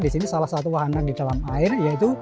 di sini salah satu wahana di dalam air yaitu